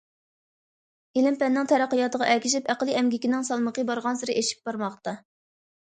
ئىلىم- پەننىڭ تەرەققىياتىغا ئەگىشىپ، ئەقلىي ئەمگىكىنىڭ سالمىقى بارغانسېرى ئېشىپ بارماقتا.